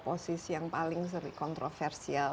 posisi yang paling sering kontroversial